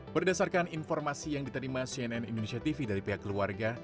berdasarkan informasi yang diterima cnn indonesia tv dari pihak keluarga